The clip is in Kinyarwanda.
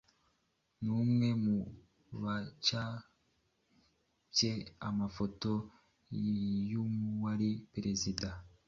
numwe mu bacapye amafoto y’uwari Perezida